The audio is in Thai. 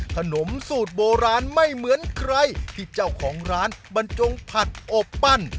ขนมสูตรโบราณไม่เหมือนใครที่เจ้าของร้านบรรจงผัดอบปั้น